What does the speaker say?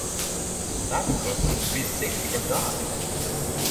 That would cause them to be sick or die.